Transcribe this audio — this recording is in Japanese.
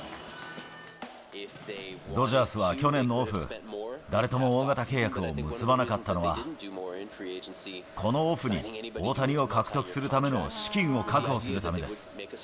ドジャースは去年のオフ、誰とも大型契約を結ばなかったのは、このオフに大谷を獲得するための資金を確保するためです。